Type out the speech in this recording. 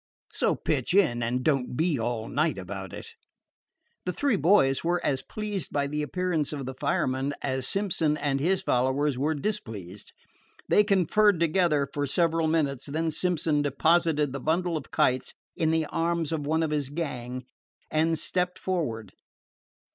So pitch in, and don't be all night about it." The three boys were as pleased by the appearance of the fireman as Simpson and his followers were displeased. They conferred together for several minutes, when Simpson deposited the bundle of kites in the arms of one of his gang and stepped forward.